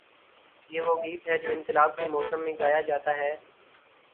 یہ وہ گیت ہے جو انقلاب کے موسم میں گایا جاتا ہے۔